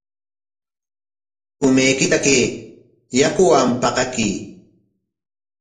Umaykita kay yakuwan paqakuy.